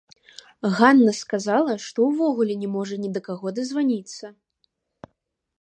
Ганна сказала, што ўвогуле не можа ні да каго дазваніцца.